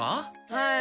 はい。